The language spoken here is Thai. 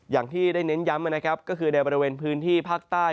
อย่างที่ได้เน้นย้ำนะครับก็คือในบริเวณพื้นที่ภาคใต้